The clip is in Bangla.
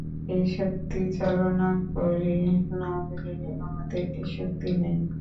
এই শক্তি চালনা করি না বলিয়াই আমাদের এ শক্তি নাই।